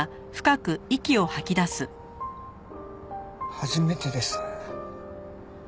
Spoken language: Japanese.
初めてです。